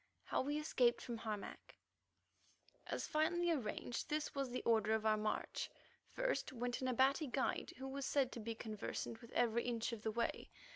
HOW WE ESCAPED FROM HARMAC As finally arranged this was the order of our march: First went an Abati guide who was said to be conversant with every inch of the way.